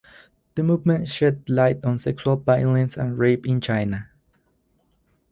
The movement shed light on sexual violence and rape in China.